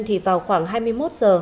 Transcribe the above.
thì vào khoảng hai mươi một giờ